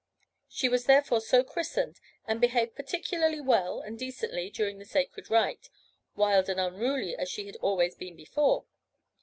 She was therefore so christened and behaved particularly well and decently during the sacred rite, wild and unruly as she had always been before.